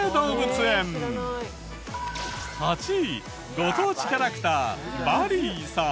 ８位ご当地キャラクターバリィさん。